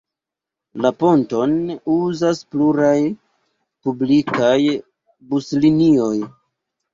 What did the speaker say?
La ponton uzas pluraj publikaj buslinioj.